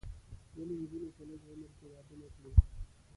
ولې نجونې په لږ عمر کې واده نه کړو؟